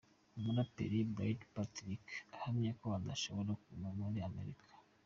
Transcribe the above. Umuraperi Bright Patrick ahamya ko adashobora kuguma muri Amerika.